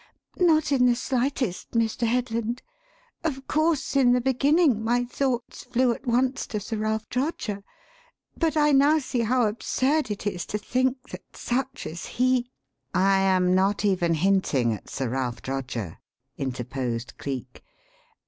"Not in the slightest, Mr. Headland. Of course, in the beginning, my thoughts flew at once to Sir Ralph Droger, but I now see how absurd it is to think that such as he " "I am not even hinting at Sir Ralph Droger," interposed Cleek.